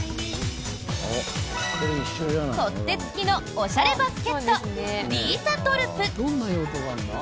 取っ手付きのおしゃれバスケットリーサトルプ。